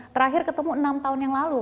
terakhir ketemu enam tahun yang lalu